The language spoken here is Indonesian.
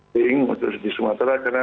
diing untuk di sumatera karena